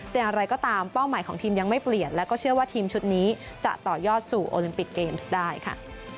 แต่อย่างไรก็ตามเป้าหมายของทีมยังไม่เปลี่ยนแล้วก็เชื่อว่าทีมชุดนี้จะต่อยอดสู่โอลิมปิกเกมส์ได้ค่ะ